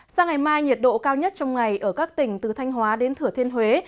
sang ngày mai nhiệt độ cao nhất trong ngày ở các tỉnh từ thanh hóa đến thừa thiên huế